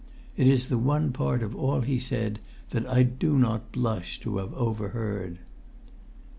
It is the one part of all he said that I do not blush to have overheard.